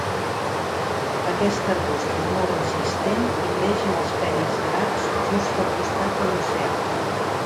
Aquest arbust és molt resistent i creix en els penya-segats just al costat de l'oceà.